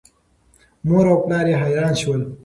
مور او پلار یې حیران شول.